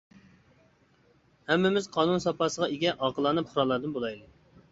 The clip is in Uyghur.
ھەممىمىز قانۇن ساپاسىغا ئىگە ئاقىلانە پۇقرالاردىن بولايلى.